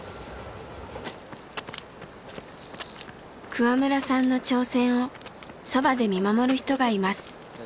桑村さんの挑戦をそばで見守る人がいます。